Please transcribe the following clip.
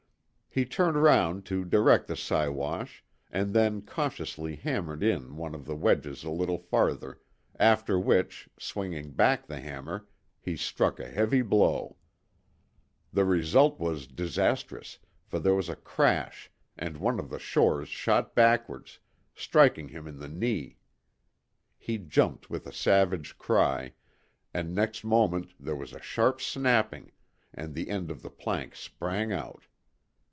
He turned round to direct the Siwash and then cautiously hammered in one of the wedges a little farther, after which, swinging back the hammer, he struck a heavy blow. The result was disastrous, for there was a crash and one of the shores shot backwards, striking him on the knee. He jumped with a savage cry, and next moment there was a sharp snapping, and the end of the plank sprang out.